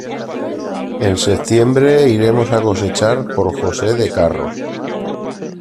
En septiembre iremos a cosechar por José de Carro.